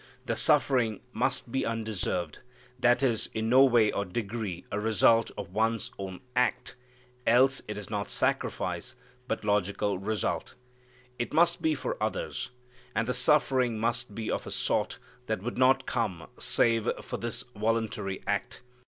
The suffering must be undeserved, that is, in no way or degree a result of one's own act, else it is not sacrifice, but logical result. It must be for others. And the suffering must be of a sort that would not come save for this voluntary act.